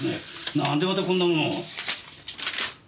なんでまたこんなものを。